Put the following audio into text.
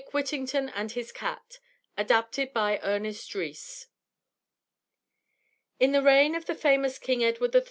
WHITTINGTON AND HIS CAT ADAPTED BY ERNEST RHYS In the reign of the famous King Edward III.